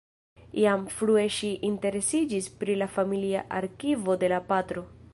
Jam frue ŝi interesiĝis pri la familia arkivo de la patro.